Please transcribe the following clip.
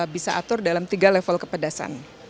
bisa atur dalam tiga level kepedasan